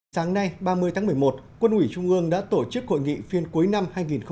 sáng nay ba mươi tháng một mươi một quân ủy trung ương đã tổ chức hội nghị phiên cuối năm hai nghìn hai mươi